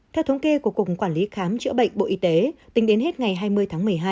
theo thống kê của cục quản lý khám chữa bệnh bộ y tế tính đến hết ngày hai mươi tháng một mươi hai